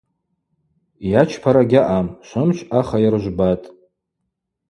Йачпара гьаъам – Швымч ахайыр жвбатӏ.